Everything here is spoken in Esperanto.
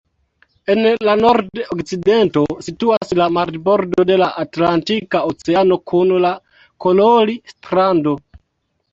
En la Nord-Okcidento situas la marbordo de la Atlantika oceano kun la Kololi-strando.